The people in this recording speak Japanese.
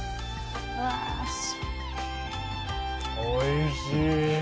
おいしい。